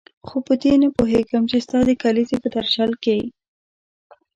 خو په دې نه پوهېږم چې ستا د کلیزې په درشل کې.